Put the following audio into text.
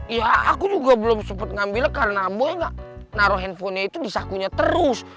iya aku juga belum sempet ngambilnya karena boy gak naruh handphonenya itu disakunya terus